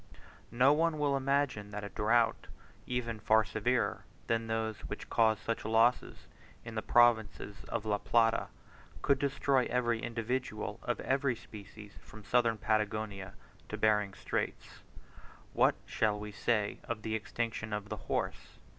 No one will imagine that a drought, even far severer than those which cause such losses in the provinces of La Plata, could destroy every individual of every species from Southern Patagonia to Behring's Straits. What shall we say of the extinction of the horse?